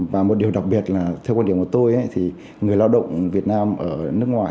và một điều đặc biệt là theo quan điểm của tôi thì người lao động việt nam ở nước ngoài